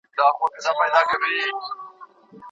زما زلمي کلونه انتظار انتظار وخوړل